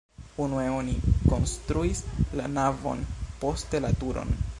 Unue oni konstruis la navon, poste la turon.